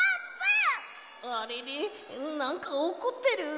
あれれなんかおこってる？